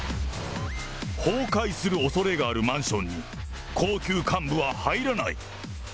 崩壊するおそれがあるマンションに、高級幹部は入らない。